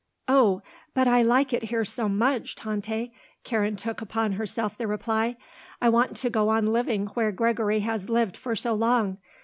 "Oh, but I like it here so much, Tante," Karen took upon herself the reply. "I want to go on living where Gregory has lived for so long.